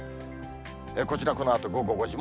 こちら、このあと午後５時。